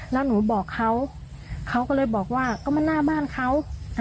แล้วหนูบอกเขาเขาก็เลยบอกว่าก็มาหน้าบ้านเขา